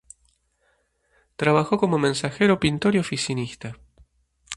Trabajó como mensajero, pintor y oficinista.